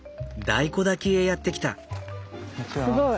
大根焚きへやって来た。